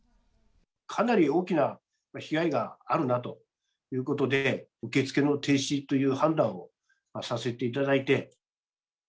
かなり大きな被害があるなということで、受け付けの停止という判断をさせていただいて。